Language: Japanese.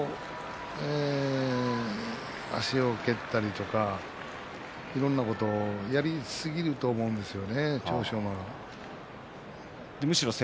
足を蹴ったりとかいろんなことをやりすぎると思うんですね、千代翔